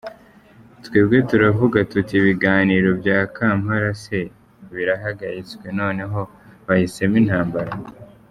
Twebwe turavuga tuti ibiganiro bya Kampala se birahagaritswe noneho bahisemo intambara?